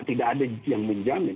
tidak ada yang menjamin